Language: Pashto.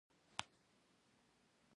په سختي کې اساني د فطرت قوانینو څخه دی.